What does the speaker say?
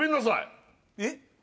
えっ！？